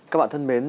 các bạn thân mến